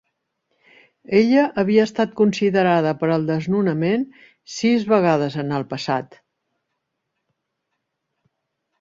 Ella havia estat considerada per al desnonament sis vegades en el passat.